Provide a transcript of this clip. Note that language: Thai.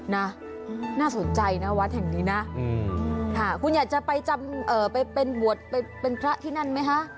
น่าสนใจนะวัดแห่งนี้นะค่ะคุณอยากจะไปจำไปเป็นบวชไปเป็นพระที่นั่นไหมคะ